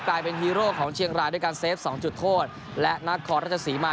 กลายเป็นฮีโร่ของเชียงรายด้วยการเซฟ๒จุดโทษและนครราชสีมา